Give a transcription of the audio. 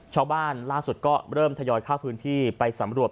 ชาวบ้านล่าสุดก็เริ่มทยอยเข้าพื้นที่ไปสำรวจ